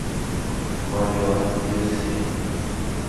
Major Gercino